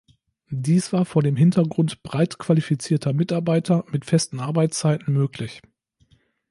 Dies war vor dem Hintergrund breit qualifizierter Mitarbeiter mit festen Arbeitszeiten möglich.